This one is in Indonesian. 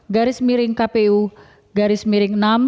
garis miring kpu garis miring enam